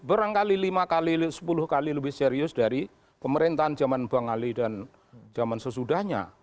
berangkali lima kali sepuluh kali lebih serius dari pemerintahan zaman bangali dan zaman sesudahnya